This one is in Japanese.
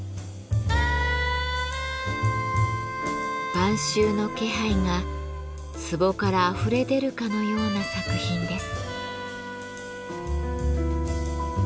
晩秋の気配が壺からあふれ出るかのような作品です。